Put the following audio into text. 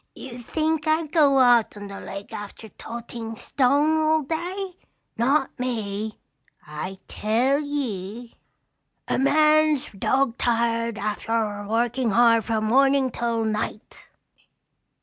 "You think I'd go out on the lake after toting stone all day? Not me! I tell ye, a man's dog tired arfter workin' hard from mornin' till night.